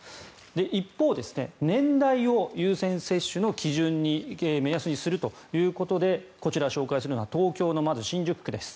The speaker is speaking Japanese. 一方、年代を優先接種の基準・目安にするということでこちら、紹介するのは東京の新宿区です。